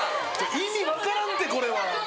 意味分からんてこれは。